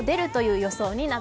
予想